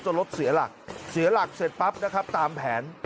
รถเสียหลักเสียหลักเสร็จปั๊บนะครับตามแผน